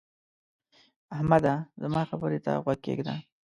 احمده! زما خبرې ته غوږ کېږده.